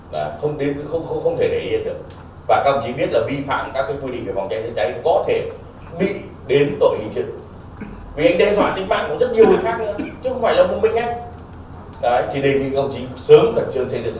trước đó trong cuộc họp với sở cảnh sát phòng cháy hà nội đồng chí hoàng trung hải ủy viên bộ chính trị bí thư thành quỷ hà nội đã nghiêm túc nhắc nhở về những vấn đề còn tồn tại của hà nội trong công tác phòng cháy chữa cháy